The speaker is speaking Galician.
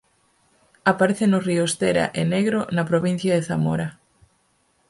Aparece nos ríos Tera e Negro na provincia de Zamora.